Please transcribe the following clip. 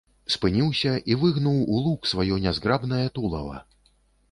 Спыніўся і выгнуў у лук сваё нязграбнае тулава.